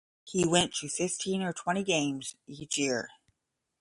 He went to fifteen or twenty games each year.